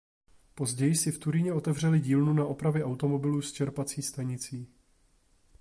Později si v Turíně otevřeli dílnu na opravy automobilů s čerpací stanicí.